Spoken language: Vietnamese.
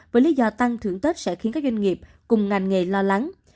với lý do tăng thưởng tết sẽ khiến các doanh nghiệp cùng ngành nghề lo lắng